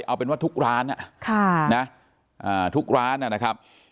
เอาเป็นว่าทุกร้านทุกร้านนะครับ